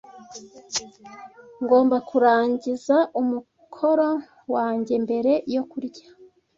Ngomba kurangiza umukoro wanjye mbere yo kurya.